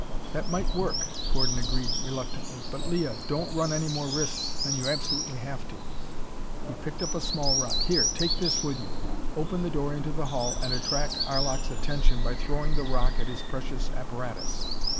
"That might work," Gordon agreed reluctantly. "But, Leah, don't run any more risks than you absolutely have to!" He picked up a small rock. "Here, take this with you. Open the door into the hall and attract Arlok's attention by throwing the rock at his precious apparatus.